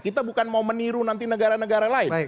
kita bukan mau meniru nanti negara negara lain